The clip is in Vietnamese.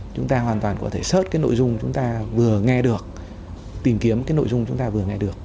chúng ta hoàn toàn có thể xớt cái nội dung chúng ta vừa nghe được tìm kiếm cái nội dung chúng ta vừa nghe được